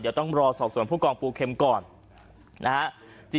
เดี๋ยวต้องรอสอบส่วนผู้กองปูเข็มก่อนนะฮะ